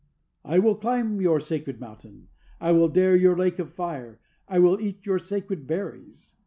"I will climb your sacred mountain. I will dare your lake of fire. I will eat your sacred berries.